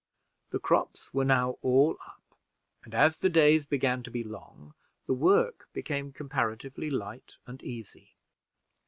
The crops were now all up, and as the days began to be long, the work became comparatively light and easy.